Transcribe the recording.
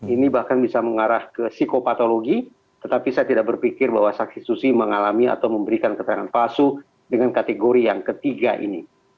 ini bahkan bisa mengarah ke psikopatologi tetapi saya tidak berpikir bahwa saksi susi mengalami atau memberikan keterangan palsu dengan kategori yang ketiga ini